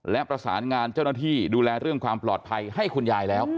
และประสานงานเจ้าหน้าที่ดูแลเรื่องความปลอดภัยให้คุณยายแล้ว